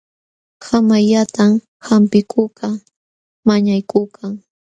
Kamayllatam hampikuqkaq mañakuykan.